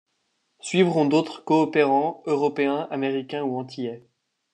Suivront d'autres coopérants, européens, américains ou antillais.